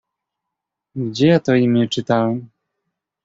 "Gdzie ja to imię czytałem?.."